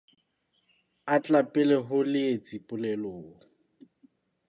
A tla pele ho leetsi polelong.